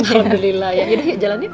alhamdulillah yaudah ya jalanin